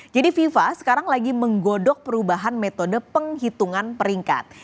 jadi fifa sekarang lagi menggodok perubahan metode penghitungan peringkat